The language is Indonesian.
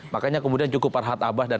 makanya kemudian cukup parhat abah dan